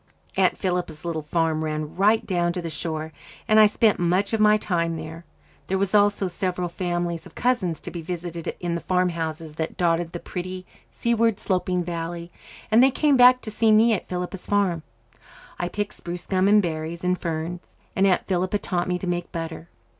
Aunt Philippa's little farm ran right down to the shore, and I spent much of my time there. There were also several families of cousins to be visited in the farmhouses that dotted the pretty, seaward sloping valley, and they came back to see me at "Philippa's Farm." I picked spruce gum and berries and ferns, and Aunt Philippa taught me to make butter.